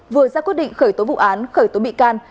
vừa ra quyết định khởi tố vụ án khởi tố bị can